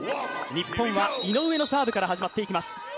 日本は井上のサーブから始まっていきます。